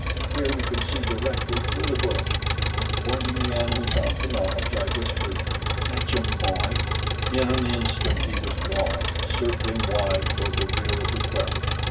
Here we could see directly through the bush, and pointing the animals out to Nobs I whispered: "Fetch 'em, boy!" In an instant he was gone, circling wide toward the rear of the quarry.